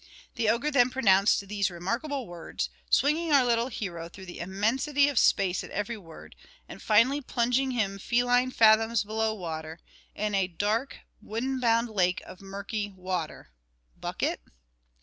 The ogre then pronounced these remarkable words, swinging our little hero through the immensity of space at every word, and finally plunging him feline fathoms below water, in a dark wooden bound lake of murky water (bucket?).